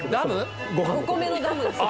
・お米のダムですか？